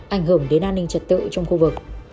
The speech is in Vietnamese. ảnh hưởng đến an ninh trật tự trong khu vực